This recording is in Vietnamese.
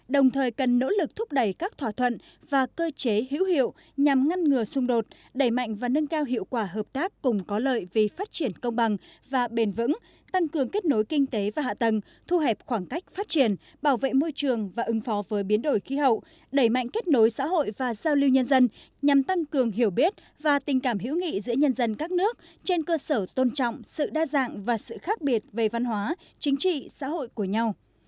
đồng thời cần nỗ lực thúc đẩy các thỏa thuận và cơ chế hữu hiệu nhằm ngăn ngừa xung đột đẩy mạnh và nâng cao hiệu quả hợp tác cùng có lợi vì phát triển công bằng và bền vững tăng cường kết nối kinh tế và hạ tầng thu hẹp khoảng cách phát triển bảo vệ môi trường và ứng phó với biến đổi khí hậu đẩy mạnh kết nối xã hội và giao lưu nhân dân nhằm tăng cường hiểu biết và tình cảm hữu nghị giữa nhân dân các nước trên cơ sở tôn trọng sự đa dạng và sự khác biệt về văn hóa chính trị xã hội của